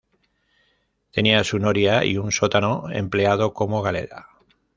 Tenía su noria y un sótano empleado como galera.